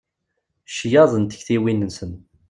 Ccyaḍ n tektiwin-nsen.